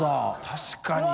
確かに！